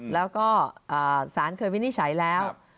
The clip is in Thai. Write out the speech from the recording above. แล้วก็สารเคยวินิจฉัยแล้ว